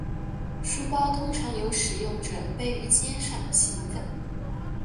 书包通常由使用者背于肩上行走。